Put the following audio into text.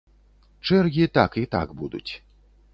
Чэргі так і так будуць.